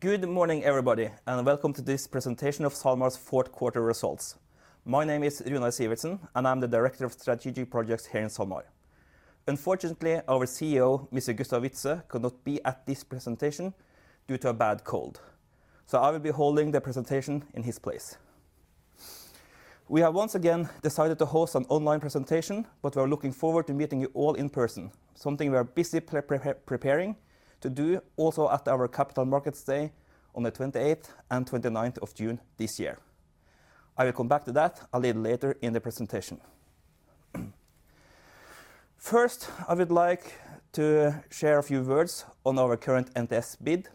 Good morning, everybody, and welcome to this presentation of SalMar's fourth quarter results. My name is Runar Sivertsen, and I'm the Director of Strategic Projects here in SalMar. Unfortunately, our CEO, Mr. Gustav Witzøe, could not be at this presentation due to a bad cold, so I will be holding the presentation in his place. We have once again decided to host an online presentation, but we are looking forward to meeting you all in person, something we are busy preparing to do also at our Capital Markets Day on the 28th and 29th of June this year. I will come back to that a little later in the presentation. First, I would like to share a few words on our current NTS bid,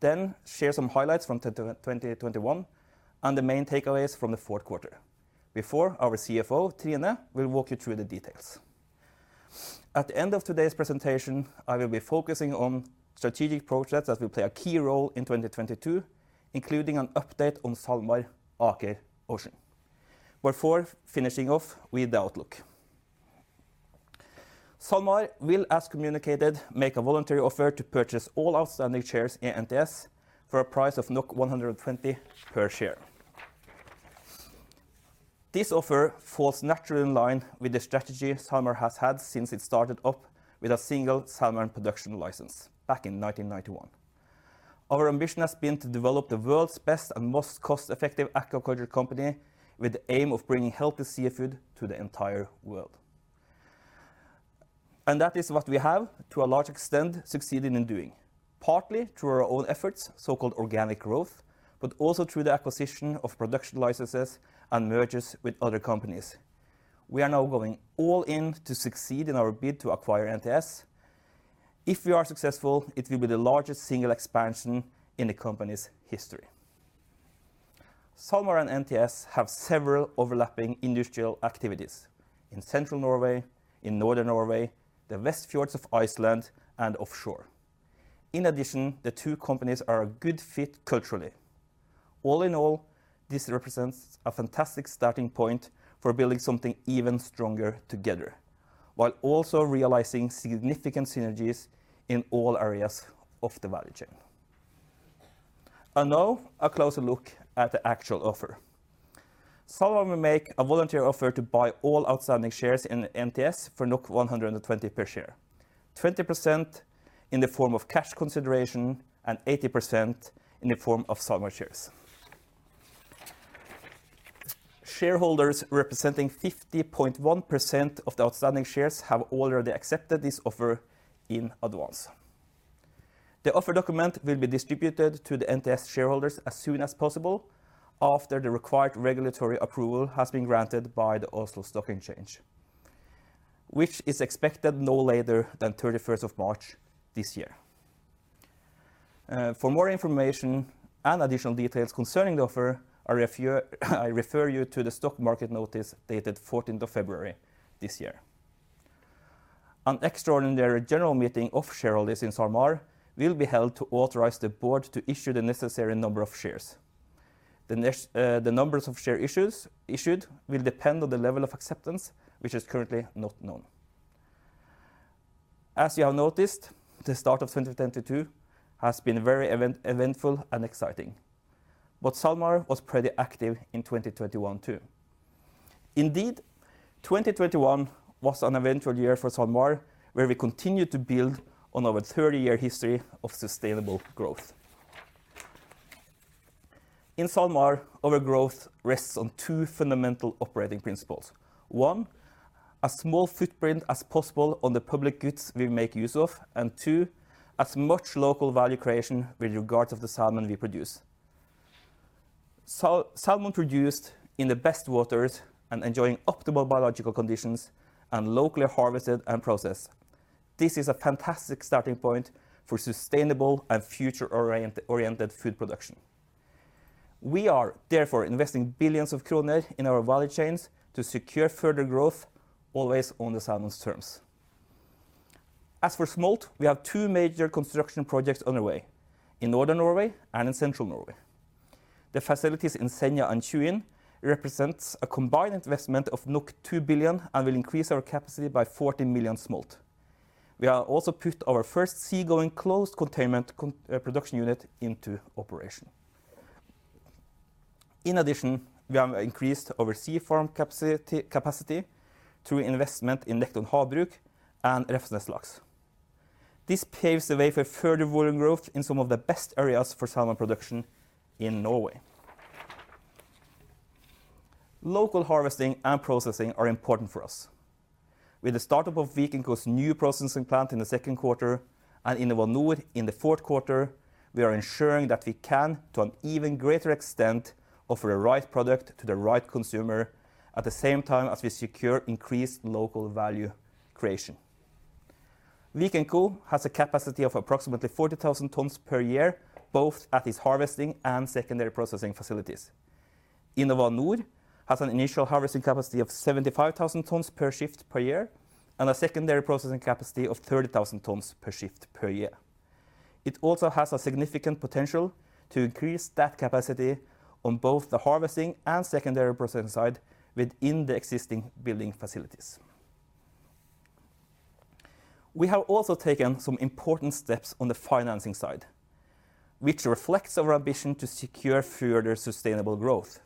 then share some highlights from 2021 and the main takeaways from the fourth quarter. Before our CFO, Trine, will walk you through the details. At the end of today's presentation, I will be focusing on strategic projects that will play a key role in 2022, including an update on SalMar Aker Ocean, before finishing off with the outlook. SalMar will, as communicated, make a voluntary offer to purchase all outstanding shares in NTS for a price of 120 per share. This offer falls naturally in line with the strategy SalMar has had since it started up with a single salmon production license back in 1991. Our ambition has been to develop the world's best and most cost-effective aquaculture company with the aim of bringing healthy seafood to the entire world. That is what we have, to a large extent, succeeded in doing, partly through our own efforts, so-called organic growth, but also through the acquisition of production licenses and mergers with other companies. We are now going all in to succeed in our bid to acquire NTS. If we are successful, it will be the largest single expansion in the company's history. SalMar and NTS have several overlapping industrial activities in central Norway, in northern Norway, the West Fjords of Iceland, and offshore. In addition, the two companies are a good fit culturally. All in all, this represents a fantastic starting point for building something even stronger together, while also realizing significant synergies in all areas of the value chain. Now a closer look at the actual offer. SalMar will make a voluntary offer to buy all outstanding shares in NTS for 120 per share. 20% in the form of cash consideration and 80% in the form of SalMar shares. Shareholders representing 50.1% of the outstanding shares have already accepted this offer in advance. The offer document will be distributed to the NTS shareholders as soon as possible after the required regulatory approval has been granted by the Oslo Stock Exchange, which is expected no later than 31st of March this year. For more information and additional details concerning the offer, I refer you to the stock market notice dated 14th of February this year. An extraordinary general meeting of shareholders in SalMar will be held to authorize the board to issue the necessary number of shares. The number of shares issued will depend on the level of acceptance, which is currently not known. As you have noticed, the start of 2022 has been very eventful and exciting. SalMar was pretty active in 2021 too. Indeed, 2021 was an eventful year for SalMar, where we continued to build on our 30-year history of sustainable growth. In SalMar, our growth rests on two fundamental operating principles. One, as small footprint as possible on the public goods we make use of. Two, as much local value creation with regard to the salmon we produce, salmon produced in the best waters and enjoying optimal biological conditions and locally harvested and processed. This is a fantastic starting point for sustainable and future-oriented food production. We are therefore investing billions of NOK in our value chains to secure further growth, always on the salmon's terms. As for smolt, we have two major construction projects underway, in Northern Norway and in Central Norway. The facilities in Senja and Tjuin represent a combined investment of 2 billion and will increase our capacity by 40 million smolt. We have also put our first seagoing closed containment production unit into operation. In addition, we have increased our sea farm capacity through investment in Nekton Havbruk and Refsnes Laks. This paves the way for further volume growth in some of the best areas for salmon production in Norway. Local harvesting and processing are important for us. With the startup of Vikenco's new processing plant in the second quarter and InnovaNor in the fourth quarter, we are ensuring that we can, to an even greater extent, offer the right product to the right consumer at the same time as we secure increased local value creation. Vikenco has a capacity of approximately 40,000 tons per year, both at its harvesting and secondary processing facilities. InnovaNor has an initial harvesting capacity of 75,000 tons per shift per year and a secondary processing capacity of 30,000 tons per shift per year. It also has a significant potential to increase that capacity on both the harvesting and secondary processing side within the existing building facilities. We have also taken some important steps on the financing side, which reflects our ambition to secure further sustainable growth.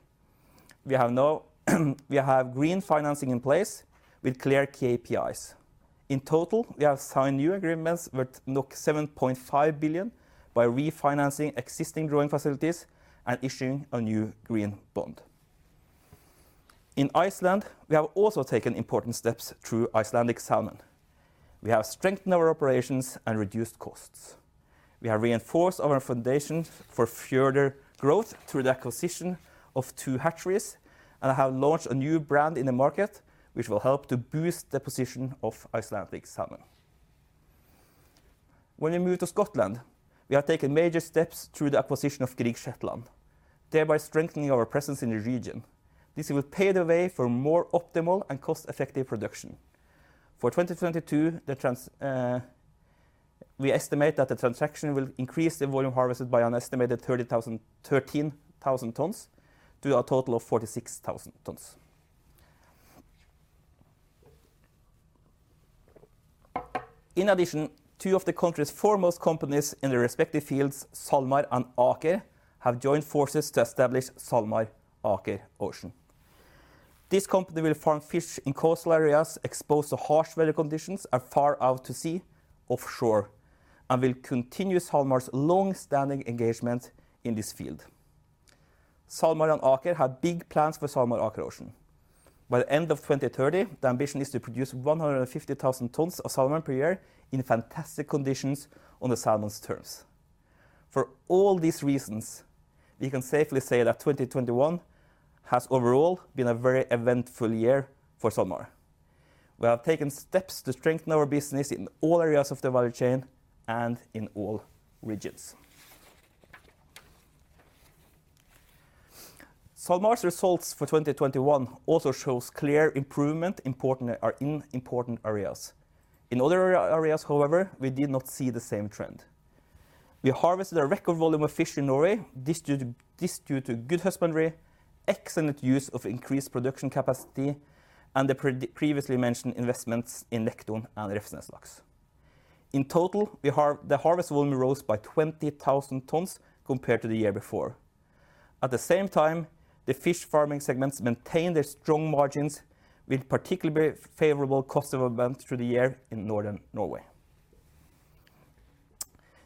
We have green financing in place with clear KPIs. In total, we have signed new agreements with 7.5 billion by refinancing existing green facilities and issuing a new green bond. In Iceland, we have also taken important steps through Icelandic Salmon. We have strengthened our operations and reduced costs. We have reinforced our foundation for further growth through the acquisition of two hatcheries and have launched a new brand in the market, which will help to boost the position of Icelandic Salmon. When we move to Scotland, we have taken major steps through the acquisition of Grieg Shetland, thereby strengthening our presence in the region. This will pave the way for more optimal and cost-effective production. For 2022, we estimate that the transaction will increase the volume harvested by an estimated 13,000 tons to a total of 46,000 tons. In addition, two of the country's foremost companies in their respective fields, SalMar and Aker, have joined forces to establish SalMar Aker Ocean. This company will farm fish in coastal areas exposed to harsh weather conditions and far out to sea offshore, and will continue SalMar's long-standing engagement in this field. SalMar and Aker have big plans for SalMar Aker Ocean. By the end of 2030, the ambition is to produce 150,000 tons of salmon per year in fantastic conditions on the salmon's terms. For all these reasons, we can safely say that 2021 has overall been a very eventful year for SalMar. We have taken steps to strengthen our business in all areas of the value chain and in all regions. SalMar's results for 2021 also shows clear improvement in important areas. In other areas, however, we did not see the same trend. We harvested a record volume of fish in Norway. This due to good husbandry, excellent use of increased production capacity, and the previously mentioned investments in Nekton and Refsnes Laks. In total. The harvest volume rose by 20,000 tons compared to the year before. At the same time, the fish farming segments maintained their strong margins with particularly favorable cost of events through the year in Northern Norway.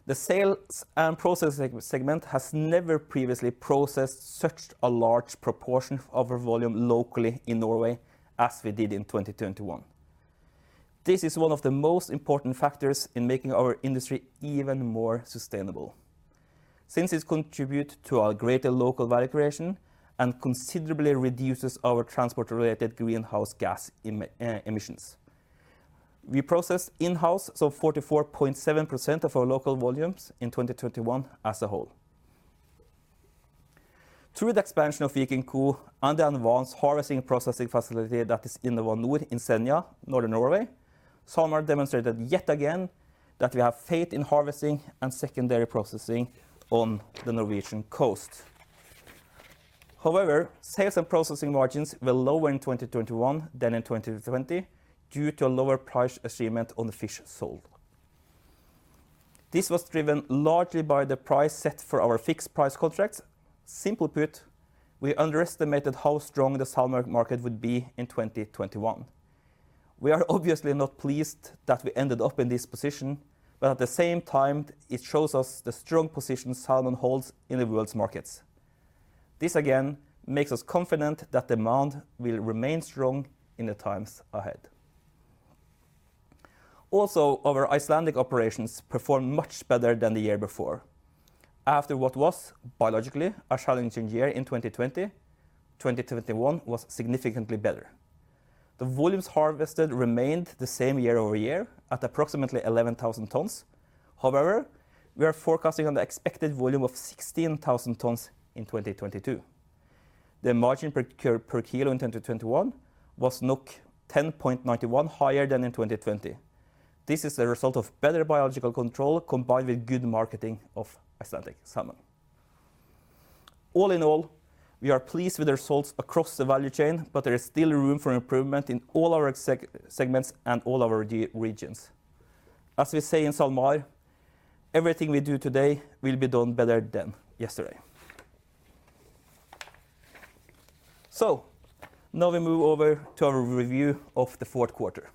The sales and processing segment has never previously processed such a large proportion of our volume locally in Norway as we did in 2021. This is one of the most important factors in making our industry even more sustainable since it contribute to our greater local value creation and considerably reduces our transport-related greenhouse gas emissions. We processed in-house so 44.7% of our local volumes in 2021 as a whole. Through the expansion of Vikenco and the advanced harvesting and processing facility that is in the InnovaNor in Senja, Northern Norway, SalMar demonstrated yet again that we have faith in harvesting and secondary processing on the Norwegian coast. However, sales and processing margins were lower in 2021 than in 2020 due to a lower price achievement on the fish sold. This was driven largely by the price set for our fixed price contracts. Simply put, we underestimated how strong the salmon market would be in 2021. We are obviously not pleased that we ended up in this position, but at the same time it shows us the strong position salmon holds in the world's markets. This again makes us confident that demand will remain strong in the times ahead. Also, our Icelandic operations performed much better than the year before. After what was biologically a challenging year in 2020, 2021 was significantly better. The volumes harvested remained the same year-over-year at approximately 11,000 tons. However, we are forecasting on the expected volume of 16,000 tons in 2022. The margin per kilo in 2021 was 10.91, higher than in 2020. This is the result of better biological control combined with good marketing of Icelandic salmon. All in all, we are pleased with the results across the value chain, but there is still room for improvement in all our exec segments and all our regions. As we say in SalMar, everything we do today will be done better than yesterday. Now we move over to our review of the fourth quarter.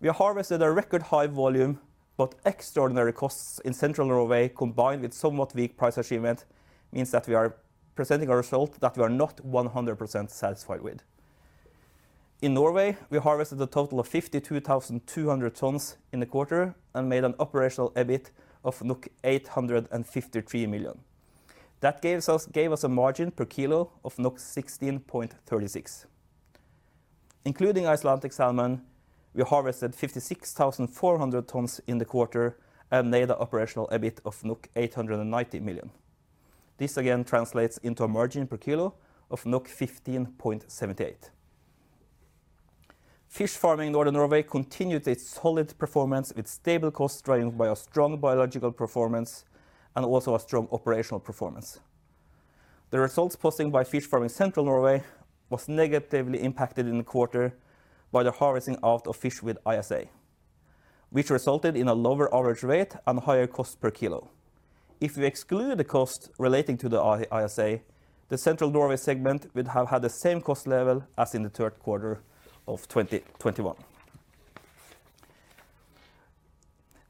We harvested a record high volume, but extraordinary costs in Central Norway combined with somewhat weak price achievement means that we are presenting a result that we are not 100% satisfied with. In Norway, we harvested a total of 52,200 tons in the quarter and made an operational EBIT of 853 million. That gave us a margin per kilo of 16.36. Including Icelandic Salmon, we harvested 56,400 tons in the quarter and made an operational EBIT of 890 million. This again translates into a margin per kilo of 15.78. Fish farming in Northern Norway continued its solid performance with stable costs driven by a strong biological performance and also a strong operational performance. The results posted by fish farm in Central Norway was negatively impacted in the quarter by the harvesting of the fish with ISA, which resulted in a lower average rate and higher cost per kilo. If you exclude the cost relating to the ISA, the Central Norway segment would have had the same cost level as in the third quarter of 2021.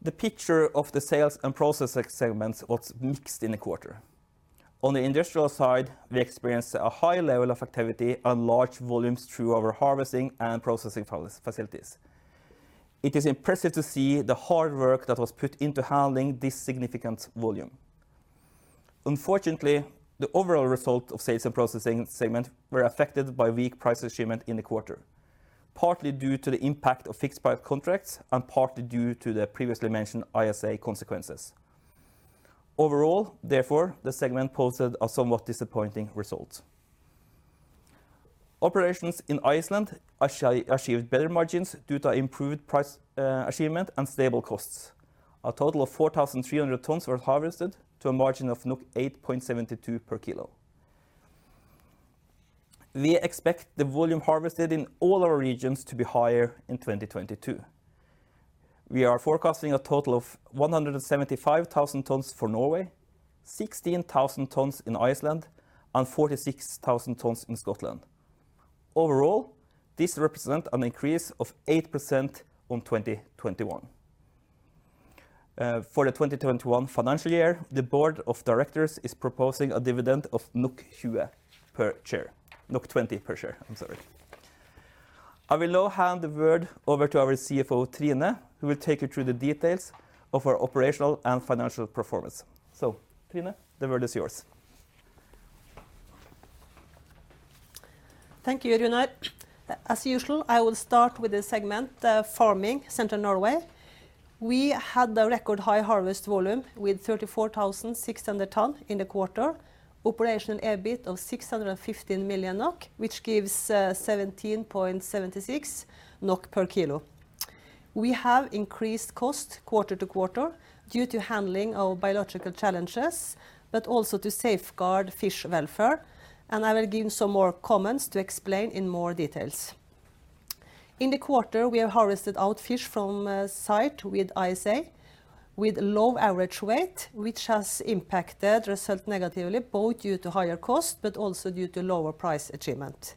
The picture of the sales and process segments was mixed in the quarter. On the industrial side, we experienced a high level of activity and large volumes through our harvesting and processing facilities. It is impressive to see the hard work that was put into handling this significant volume. Unfortunately, the overall result of sales and processing segment were affected by weak price achievement in the quarter, partly due to the impact of fixed price contracts and partly due to the previously mentioned ISA consequences. Overall, therefore, the segment posted a somewhat disappointing result. Operations in Iceland achieved better margins due to improved price achievement and stable costs. A total of 4,300 tonnes were harvested to a margin of 8.72 per kilo. We expect the volume harvested in all our regions to be higher in 2022. We are forecasting a total of 175,000 tonnes for Norway, 16,000 tonnes in Iceland, and 46,000 tonnes in Scotland. Overall, this represent an increase of 8% on 2021. For the 2021 financial year, the board of directors is proposing a dividend of 20 per share. I'm sorry. I will now hand the word over to our CFO, Trine, who will take you through the details of our operational and financial performance. Trine, the word is yours. Thank you, Runar. As usual, I will start with the segment, farming Central Norway. We had a record high harvest volume with 34,600 tonne in the quarter. Operational EBIT of 615 million NOK, which gives 17.76 NOK per kilo. We have increased cost quarter to quarter due to handling our biological challenges, but also to safeguard fish welfare, and I will give some more comments to explain in more details. In the quarter, we have harvested out fish from site with ISA with low average weight, which has impacted result negatively, both due to higher cost but also due to lower price achievement.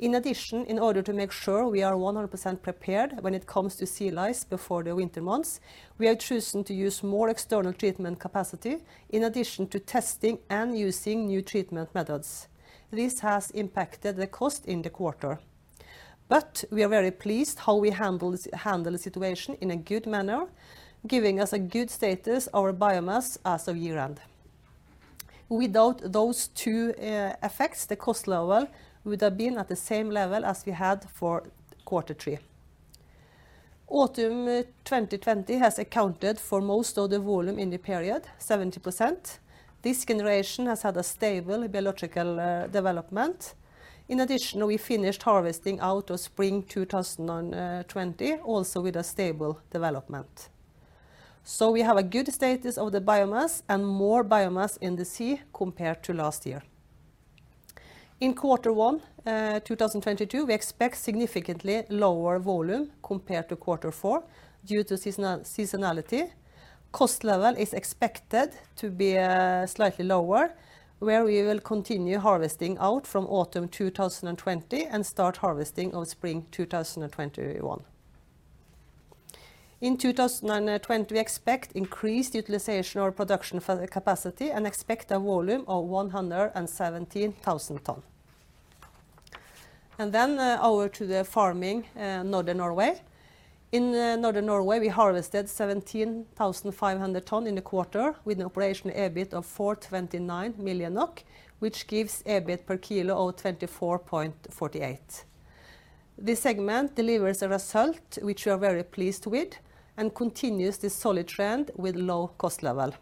In addition, in order to make sure we are 100% prepared when it comes to sea lice before the winter months, we have chosen to use more external treatment capacity in addition to testing and using new treatment methods. This has impacted the cost in the quarter. We are very pleased how we handle the situation in a good manner, giving us a good status of our biomass as of year end. Without those two effects, the cost level would have been at the same level as we had for quarter three. Autumn 2020 has accounted for most of the volume in the period, 70%. This generation has had a stable biological development. In addition, we finished harvesting out of spring 2020, also with a stable development. We have a good status of the biomass and more biomass in the sea compared to last year. In quarter one, 2022, we expect significantly lower volume compared to quarter four due to seasonality. Cost level is expected to be slightly lower, where we will continue harvesting out from autumn 2020 and start harvesting of spring 2021. In 2020, we expect increased utilization or production for the capacity and expect a volume of 117,000 tonne. Over to the farming, Northern Norway. In Northern Norway, we harvested 17,500 tonne in the quarter with an operational EBIT of 429 million NOK, which gives EBIT per kilo of 24.48. This segment delivers a result which we are very pleased with and continues the solid trend with low cost level.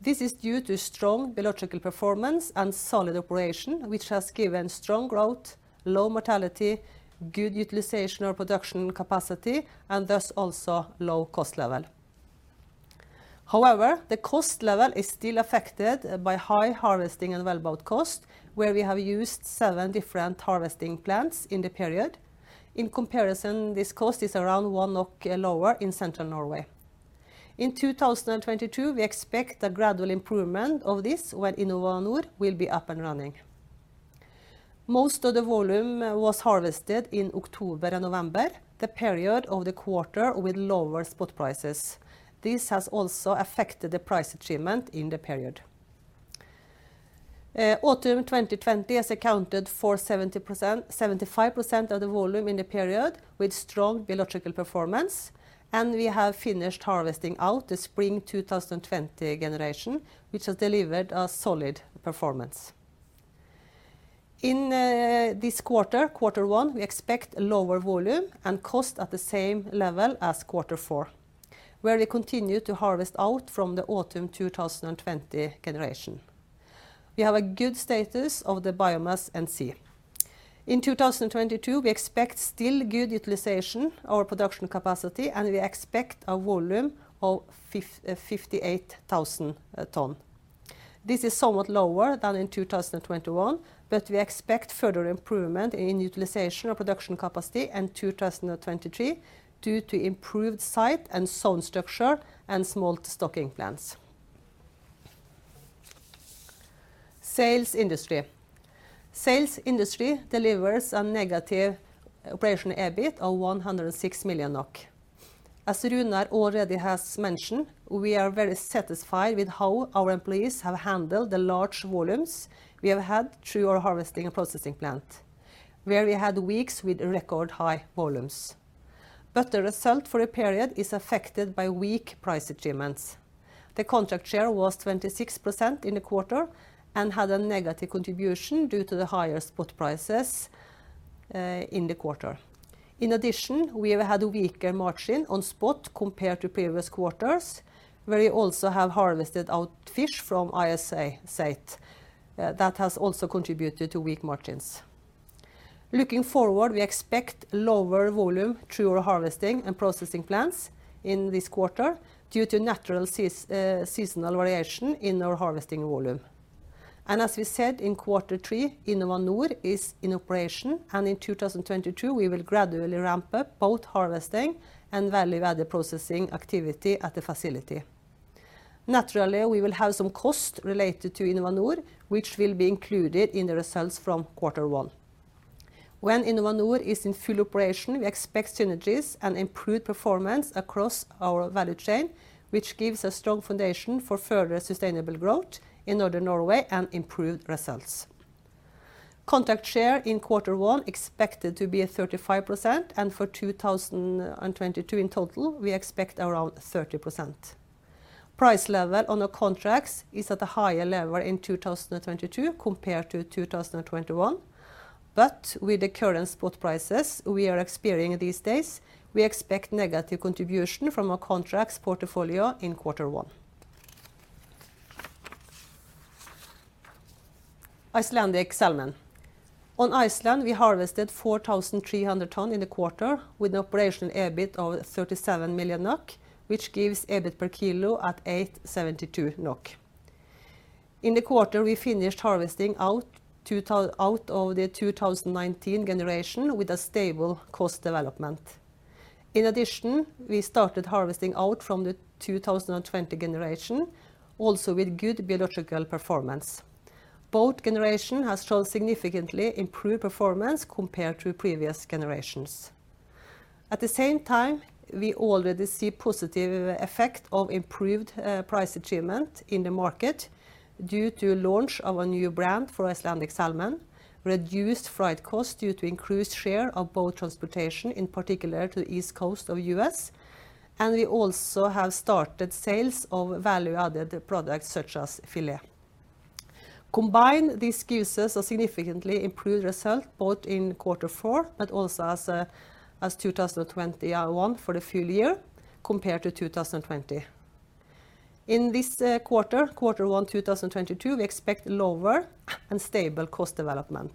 This is due to strong biological performance and solid operation, which has given strong growth, low mortality, good utilization of production capacity, and thus also low cost level. However, the cost level is still affected by high harvesting and wellboat cost, where we have used seven different harvesting plants in the period. In comparison, this cost is around 1 NOK lower in central Norway. In 2022, we expect a gradual improvement of this when InnovaNor will be up and running. Most of the volume was harvested in October and November, the period of the quarter with lower spot prices. This has also affected the price achievement in the period. Autumn 2020 has accounted for 75% of the volume in the period with strong biological performance, and we have finished harvesting out the Spring 2020 generation, which has delivered a solid performance. In this quarter one, we expect a lower volume and cost at the same level as quarter four, where we continue to harvest out from the Autumn 2020 generation. We have a good status of the biomass and sea lice. In 2022, we expect still good utilization of our production capacity, and we expect a volume of 58,000 tons. This is somewhat lower than in 2021, but we expect further improvement in utilization of production capacity in 2023 due to improved site and zone structure and smolt stocking plans. Sales Industry. Sales Industry delivers a negative operational EBIT of 106 million NOK. As Runar already has mentioned, we are very satisfied with how our employees have handled the large volumes we have had through our harvesting and processing plant, where we had weeks with record high volumes. The result for the period is affected by weak price achievements. The contract share was 26% in the quarter and had a negative contribution due to the higher spot prices in the quarter. In addition, we have had a weaker margin on spot compared to previous quarters, where we also have harvested out fish from ISA site that has also contributed to weak margins. Looking forward, we expect lower volume through our harvesting and processing plants in this quarter due to natural seasonal variation in our harvesting volume. As we said in quarter three, InnovaNor is in operation, and in 2022 we will gradually ramp up both harvesting and value-added processing activity at the facility. Naturally, we will have some cost related to InnovaNor, which will be included in the results from quarter one. When InnovaNor is in full operation, we expect synergies and improved performance across our value chain, which gives a strong foundation for further sustainable growth in Northern Norway and improved results. Contract share in quarter one expected to be at 35%, and for 2022 in total, we expect around 30%. Price level on the contracts is at a higher level in 2022 compared to 2021. With the current spot prices we are experiencing these days, we expect negative contribution from our contracts portfolio in quarter one. Icelandic Salmon. In Iceland, we harvested 4,300 tons in the quarter with an operational EBIT of 37 million NOK, which gives EBIT per kilo at 8.72 NOK. In the quarter, we finished harvesting out of the 2019 generation with a stable cost development. In addition, we started harvesting out from the 2020 generation, also with good biological performance. Both generation has shown significantly improved performance compared to previous generations. At the same time, we already see positive effect of improved price achievement in the market due to launch of a new brand for Icelandic Salmon, reduced freight cost due to increased share of boat transportation, in particular to the east coast of U.S., and we also have started sales of value-added products such as fillet. Combined, these gives us a significantly improved result, both in quarter four but also as 2021 for the full year compared to 2020. In this quarter one 2022, we expect lower and stable cost development,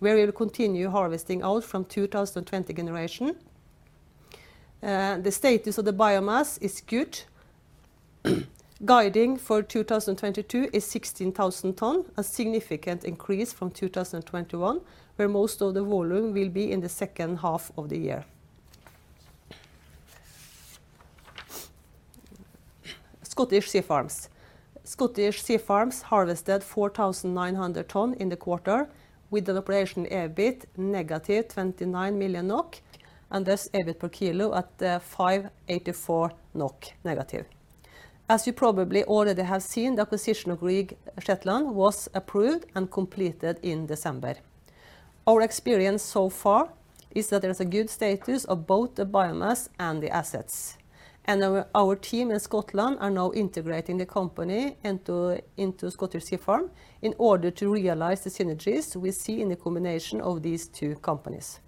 where we'll continue harvesting out from 2020 generation. The status of the biomass is good. Guiding for 2022 is 16,000 tons, a significant increase from 2021, where most of the volume will be in the second half of the year. Scottish Sea Farms. Scottish Sea Farms harvested 4,900 tons in the quarter with an operational EBIT of -29 million NOK, and this EBIT per kilo at -584 NOK. As you probably already have seen, the acquisition of Grieg Shetland was approved and completed in December. Our experience so far is that there is a good status of both the biomass and the assets, and our team in Scotland are now integrating the company into Scottish Sea Farms in order to realize the synergies we see in the combination of these two companies.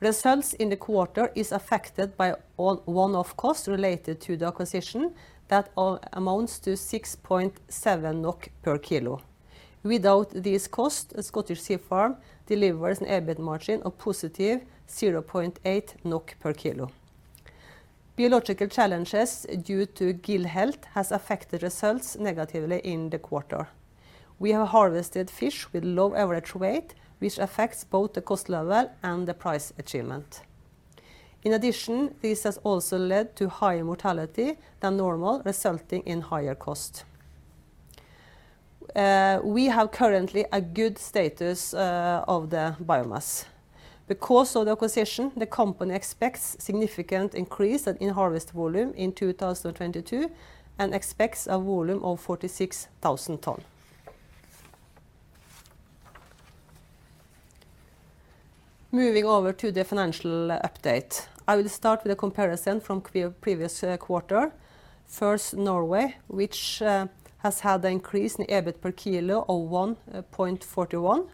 Results in the quarter is affected by all one-off costs related to the acquisition that amounts to 6.7 NOK per kilo. Without this cost, Scottish Sea Farms delivers an EBIT margin of positive 0.8 NOK per kilo. Biological challenges due to gill health has affected results negatively in the quarter. We have harvested fish with low average weight, which affects both the cost level and the price achievement. In addition, this has also led to higher mortality than normal, resulting in higher cost. We have currently a good status of the biomass. Because of the acquisition, the company expects significant increase in harvest volume in 2022 and expects a volume of 46,000 tons. Moving over to the financial update. I will start with a comparison from previous quarter. First, Norway, which has had an increase in EBIT per kilo of 1.41.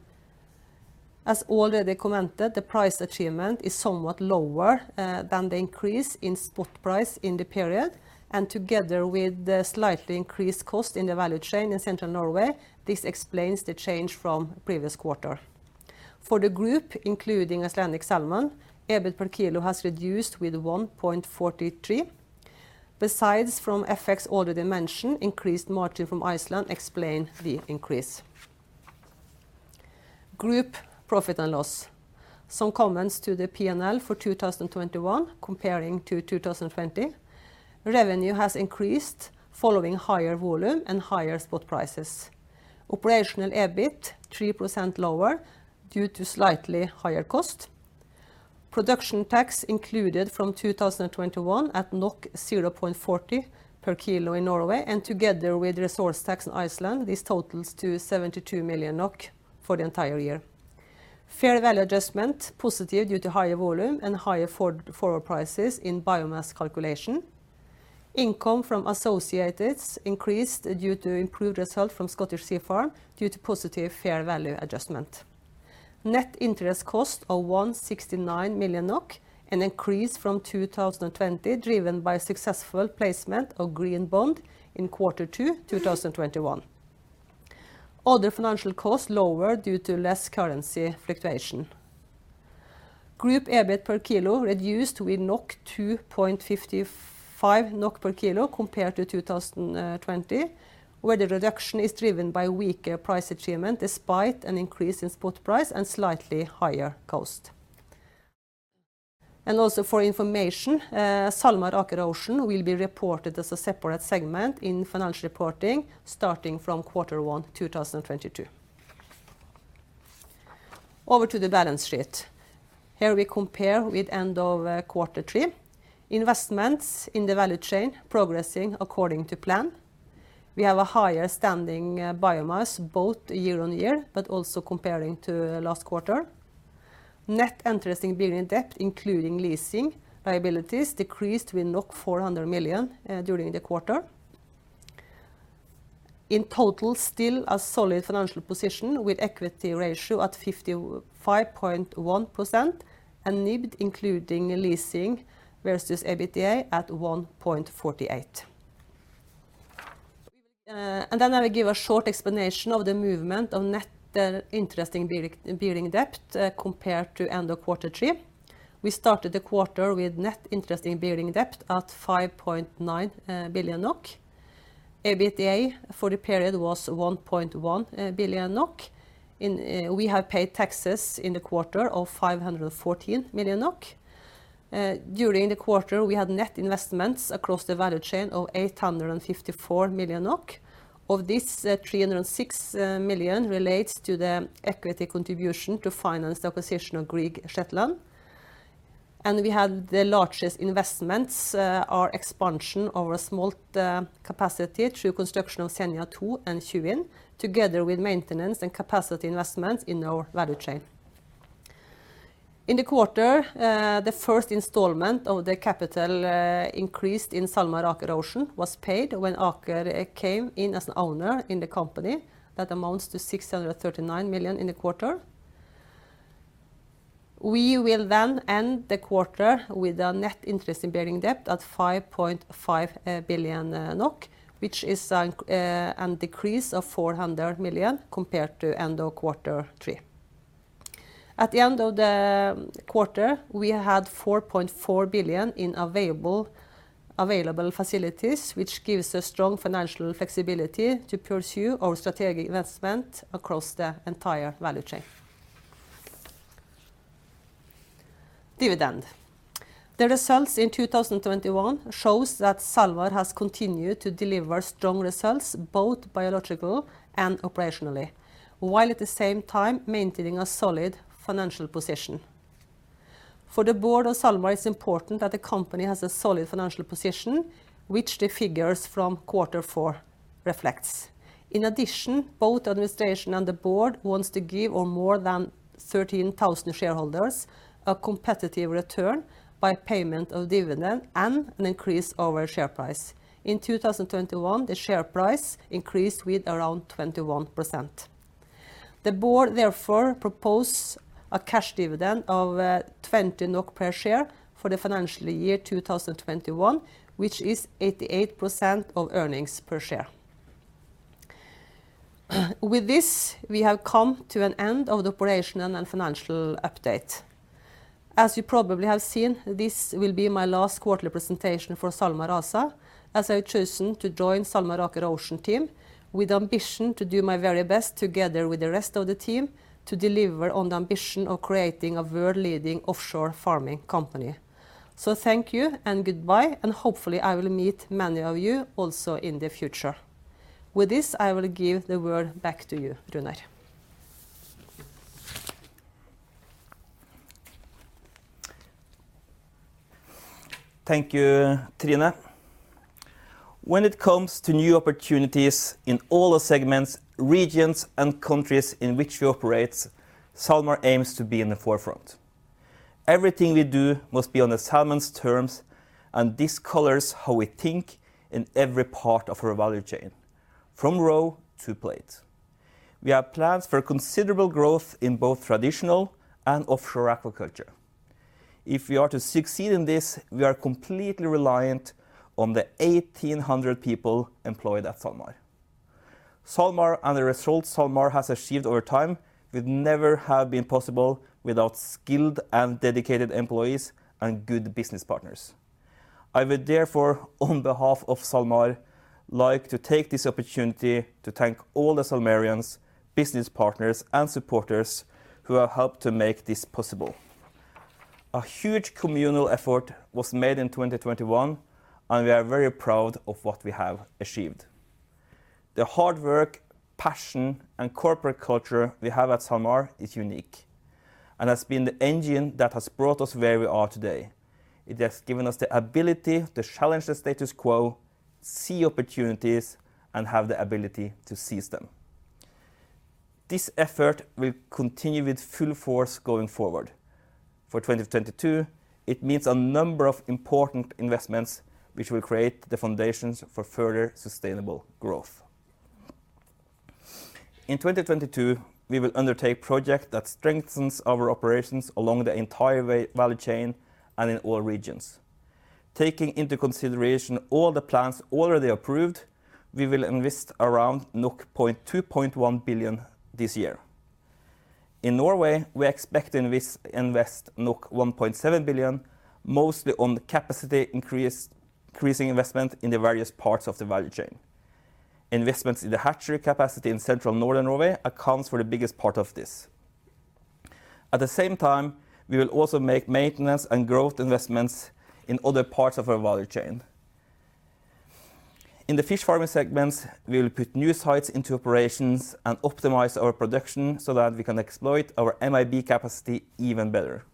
As already commented, the price achievement is somewhat lower than the increase in spot price in the period, and together with the slightly increased cost in the value chain in Central Norway, this explains the change from previous quarter. For the group, including Icelandic Salmon, EBIT per kilo has reduced with 1.43. Besides from FX already mentioned, increased margin from Iceland explain the increase. Group profit and loss. Some comments to the P&L for 2021 comparing to 2020. Revenue has increased following higher volume and higher spot prices. Operational EBIT 3% lower due to slightly higher cost. Production tax included from 2021 at 0.40 per kg in Norway and together with resource tax in Iceland, this totals 72 million NOK for the entire year. Fair value adjustment positive due to higher volume and higher forward prices in biomass calculation. Income from associates increased due to improved result from Scottish Sea Farms due to positive fair value adjustment. Net interest cost of 169 million NOK, an increase from 2020 driven by successful placement of green bond in Q2 2021. Other financial costs lower due to less currency fluctuation. Group EBIT per kilo reduced with 2.55 NOK per kilo compared to 2020, where the reduction is driven by weaker price achievement despite an increase in spot price and slightly higher cost. Also for information, SalMar Aker Ocean will be reported as a separate segment in financial reporting starting from Q1 2022. Over to the balance sheet. Here we compare with end of Q3. Investments in the value chain progressing according to plan. We have a higher standing biomass both year-over-year, but also comparing to last quarter. Net interest-bearing debt, including leasing liabilities, decreased with 400 million during the quarter. In total, still a solid financial position with equity ratio at 55.1% and NIBD including leasing versus EBITDA at 1.48. I will give a short explanation of the movement of net interest-bearing debt compared to end of quarter three. We started the quarter with net interest-bearing debt at 5.9 billion NOK. EBITDA for the period was 1.1 billion NOK. We have paid taxes in the quarter of 514 million NOK. During the quarter, we had net investments across the value chain of 854 million NOK. Of this, 306 million relates to the equity contribution to finance the acquisition of Grieg Shetland. We had the largest investments in our expansion of our smolt capacity through construction of Senja 2 and Tjuin, together with maintenance and capacity investments in our value chain. In the quarter, the first installment of the capital increase in SalMar Aker Ocean was paid when Aker came in as an owner in the company. That amounts to 639 million in the quarter. We will then end the quarter with a net interest-bearing debt at 5.5 billion NOK, which is a decrease of 400 million compared to end of quarter three. At the end of the quarter, we had 4.4 billion in available facilities, which gives a strong financial flexibility to pursue our strategic investment across the entire value chain. Dividend. The results in 2021 shows that SalMar has continued to deliver strong results, both biological and operationally, while at the same time maintaining a solid financial position. For the board of SalMar, it's important that the company has a solid financial position, which the figures from quarter four reflects. In addition, both administration and the board wants to give our more than 13,000 shareholders a competitive return by payment of dividend and an increase over share price. In 2021, the share price increased with around 21%. The board therefore propose a cash dividend of 20 NOK per share for the financial year 2021, which is 88% of earnings per share. With this, we have come to an end of the operational and financial update. As you probably have seen, this will be my last quarterly presentation for SalMar ASA, as I have chosen to join SalMar Aker Ocean team with ambition to do my very best together with the rest of the team to deliver on the ambition of creating a world-leading offshore farming company. Thank you and goodbye, and hopefully I will meet many of you also in the future. With this, I will give the word back to you, Runar. Thank you, Trine. When it comes to new opportunities in all the segments, regions and countries in which we operate, SalMar aims to be in the forefront. Everything we do must be on the salmon's terms, and this colors how we think in every part of our value chain, from roe to plate. We have plans for considerable growth in both traditional and offshore aquaculture. If we are to succeed in this, we are completely reliant on the 1,800 people employed at SalMar. SalMar and the results SalMar has achieved over time would never have been possible without skilled and dedicated employees and good business partners. I would therefore, on behalf of SalMar, like to take this opportunity to thank all the SalMar-ians, business partners and supporters who have helped to make this possible. A huge communal effort was made in 2021, and we are very proud of what we have achieved. The hard work, passion, and corporate culture we have at SalMar is unique and has been the engine that has brought us where we are today. It has given us the ability to challenge the status quo, see opportunities, and have the ability to seize them. This effort will continue with full force going forward. For 2022, it means a number of important investments which will create the foundations for further sustainable growth. In 2022, we will undertake project that strengthens our operations along the entire value chain and in all regions. Taking into consideration all the plans already approved, we will invest around 2.1 billion this year. In Norway, we expect to invest 1.7 billion, mostly on capacity increase, increasing investment in the various parts of the value chain. Investments in the hatchery capacity in central northern Norway accounts for the biggest part of this. At the same time, we will also make maintenance and growth investments in other parts of our value chain. In the fish farming segments, we will put new sites into operations and optimize our production so that we can exploit our MAB capacity even better.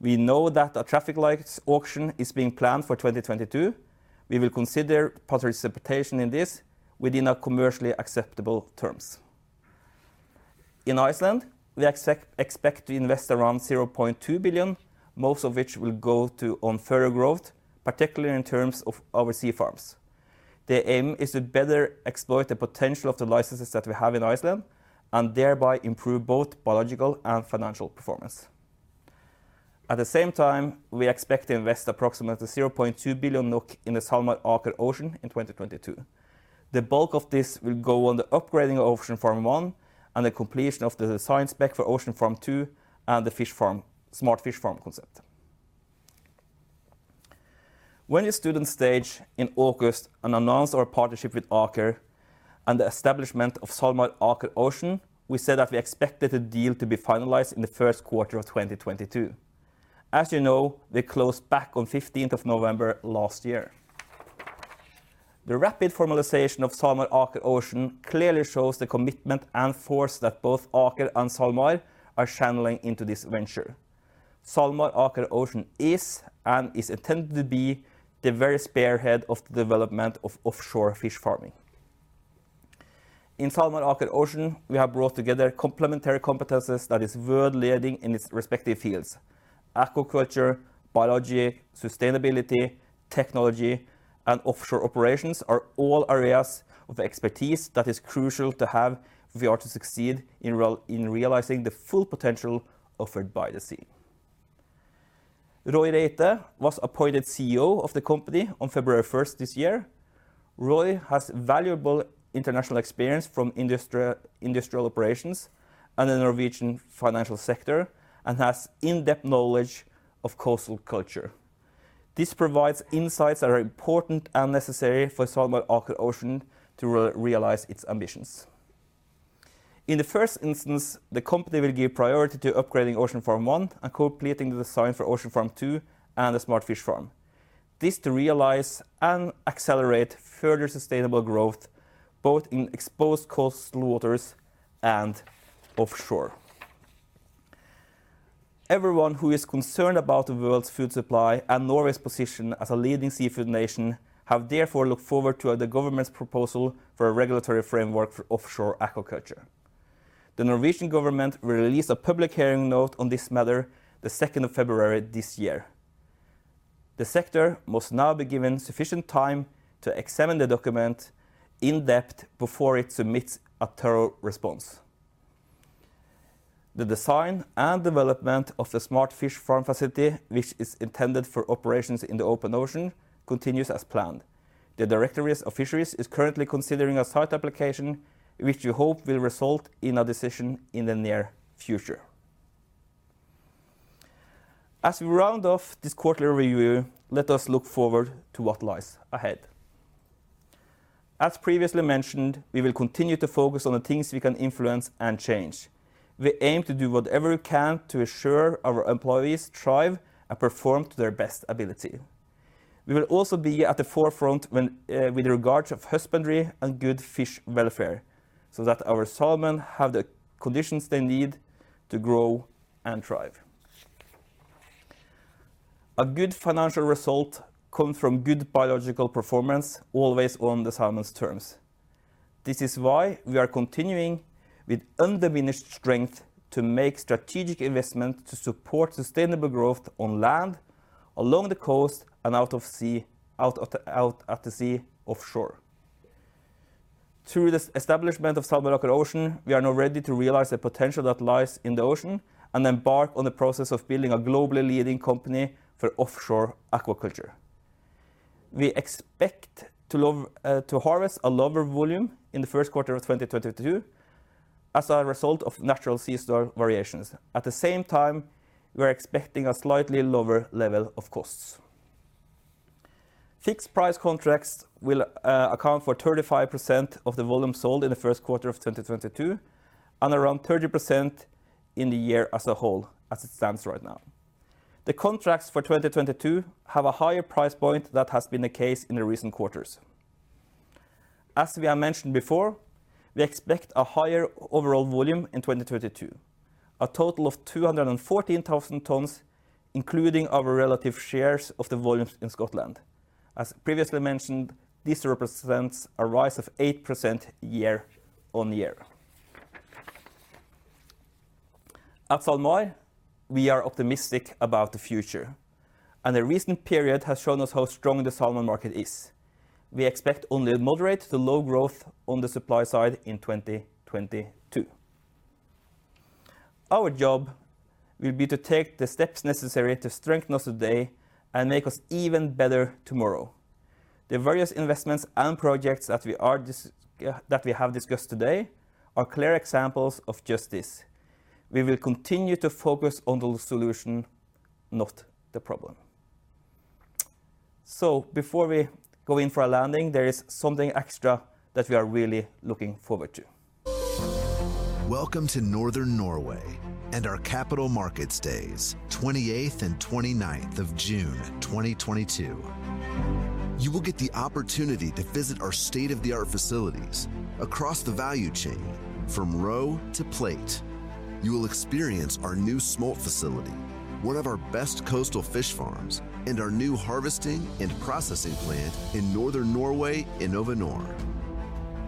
We know that a traffic light auction is being planned for 2022. We will consider participation in this on commercially acceptable terms. In Iceland, we expect to invest around 0.2 billion, most of which will go towards further growth, particularly in terms of our sea farms. The aim is to better exploit the potential of the licenses that we have in Iceland and thereby improve both biological and financial performance. At the same time, we expect to invest approximately 0.2 billion NOK in the SalMar Aker Ocean in 2022. The bulk of this will go on the upgrading of Ocean Farm One and the completion of the design spec for Ocean Farm Two and the fish farm, Smart Fish Farm concept. When we stood on stage in August and announced our partnership with Aker and the establishment of SalMar Aker Ocean, we said that we expected the deal to be finalized in the first quarter of 2022. As you know, they closed back on 15th of November last year. The rapid formalization of SalMar Aker Ocean clearly shows the commitment and force that both Aker and SalMar are channeling into this venture. SalMar Aker Ocean is and is intended to be the very spearhead of the development of offshore fish farming. In SalMar Aker Ocean, we have brought together complementary competencies that is world leading in its respective fields. Aquaculture, biology, sustainability, technology, and offshore operations are all areas of expertise that is crucial to have if we are to succeed in realizing the full potential offered by the sea. Roy Reite was appointed CEO of the company on February 1st this year. Roy has valuable international experience from industry, industrial operations and the Norwegian financial sector and has in-depth knowledge of coastal aquaculture. This provides insights that are important and necessary for SalMar Aker Ocean to realize its ambitions. In the first instance, the company will give priority to upgrading Ocean Farm 1 and completing the design for Ocean Farm 2 and the Smart Fish Farm. This to realize and accelerate further sustainable growth, both in exposed coastal waters and offshore. Everyone who is concerned about the world's food supply and Norway's position as a leading seafood nation have therefore looked forward to the government's proposal for a regulatory framework for offshore aquaculture. The Norwegian government will release a public hearing note on this matter the second of February this year. The sector must now be given sufficient time to examine the document in depth before it submits a thorough response. The design and development of the Smart Fish Farm facility, which is intended for operations in the open ocean, continues as planned. The Directorate of Fisheries is currently considering a site application, which we hope will result in a decision in the near future. As we round off this quarterly review, let us look forward to what lies ahead. As previously mentioned, we will continue to focus on the things we can influence and change. We aim to do whatever we can to ensure our employees thrive and perform to their best ability. We will also be at the forefront when with regards to husbandry and good fish welfare, so that our salmon have the conditions they need to grow and thrive. A good financial result comes from good biological performance, always on the salmon's terms. This is why we are continuing with undiminished strength to make strategic investment to support sustainable growth on land, along the coast, and out at sea offshore. Through this establishment of SalMar Aker Ocean, we are now ready to realize the potential that lies in the ocean and embark on the process of building a globally leading company for offshore aquaculture. We expect to harvest a lower volume in the first quarter of 2022 as a result of natural seasonal variations. At the same time, we're expecting a slightly lower level of costs. Fixed price contracts will account for 35% of the volume sold in the first quarter of 2022 and around 30% in the year as a whole, as it stands right now. The contracts for 2022 have a higher price point than has been the case in the recent quarters. We expect a higher overall volume in 2022, a total of 214,000 tons, including our relative shares of the volumes in Scotland. As previously mentioned, this represents a rise of 8% year-on-year. At SalMar, we are optimistic about the future, and the recent period has shown us how strong the salmon market is. We expect only moderate to low growth on the supply side in 2022. Our job will be to take the steps necessary to strengthen us today and make us even better tomorrow. The various investments and projects that we have discussed today are clear examples of just this. We will continue to focus on the solution, not the problem. Before we go in for a landing, there is something extra that we are really looking forward to. Welcome to Northern Norway and our Capital Markets Days, 28th and 29th of June 2022. You will get the opportunity to visit our state-of-the-art facilities across the value chain from roe to plate. You will experience our new smolt facility, one of our best coastal fish farms, and our new harvesting and processing plant in Northern Norway, InnovaNor.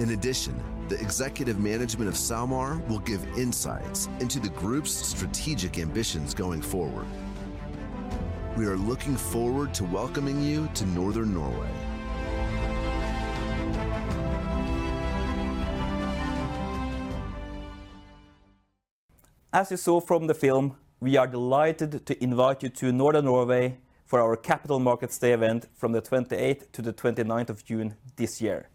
In addition, the executive management of SalMar will give insights into the group's strategic ambitions going forward. We are looking forward to welcoming you to Northern Norway. As you saw from the film, we are delighted to invite you to Northern Norway for our Capital Markets Day event from the 28th to the 29th of June this year.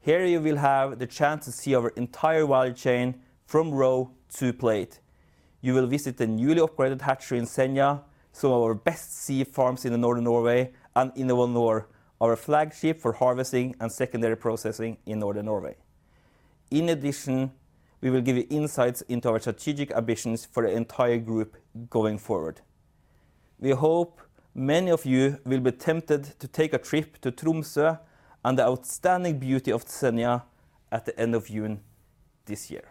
Here, you will have the chance to see our entire value chain from roe to plate. You will visit the newly operated hatchery in Senja, some of our best sea farms in Northern Norway, and InnovaNor, our flagship for harvesting and secondary processing in Northern Norway. In addition, we will give you insights into our strategic ambitions for the entire group going forward. We hope many of you will be tempted to take a trip to Tromsø and the outstanding beauty of Senja at the end of June this year.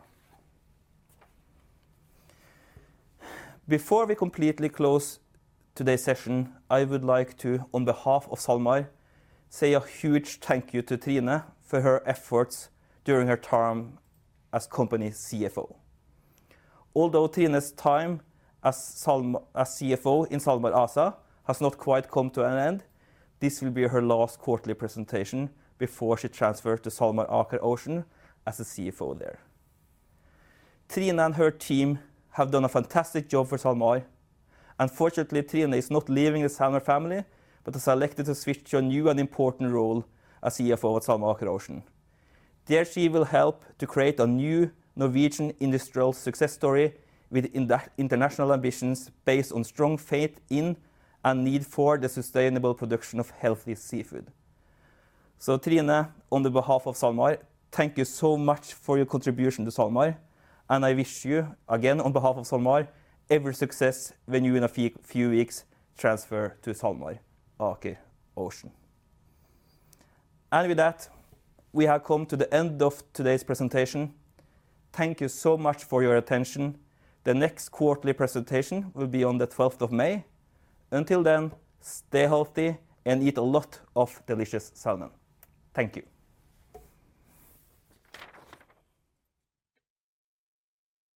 Before we completely close today's session, I would like to, on behalf of SalMar, say a huge thank you to Trine for her efforts during her term as company CFO. Although Trine's time as CFO in SalMar ASA has not quite come to an end, this will be her last quarterly presentation before she transfers to SalMar Aker Ocean as the CFO there. Trine and her team have done a fantastic job for SalMar. Fortunately, Trine is not leaving the SalMar family, but has elected to switch to a new and important role as CFO at SalMar Aker Ocean. There, she will help to create a new Norwegian industrial success story with international ambitions based on strong faith in and need for the sustainable production of healthy seafood. Trine, on behalf of SalMar, thank you so much for your contribution to SalMar, and I wish you, again, on behalf of SalMar, every success when you in a few weeks transfer to SalMar Aker Ocean. With that, we have come to the end of today's presentation. Thank you so much for your attention. The next quarterly presentation will be on the 12th of May. Until then, stay healthy and eat a lot of delicious salmon. Thank you.